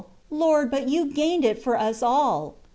Lord, but you gained it for us all.